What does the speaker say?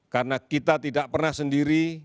karena kita tidak pernah sendiri